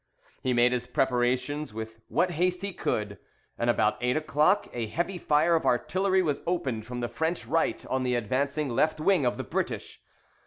He made his preparations with what haste he could, and about eight o'clock a heavy fire of artillery was opened from the French right on the advancing left wing of the British.